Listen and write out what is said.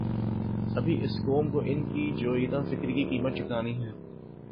ابھی اس قوم کوان کی ژولیدہ فکری کی قیمت چکانی ہے۔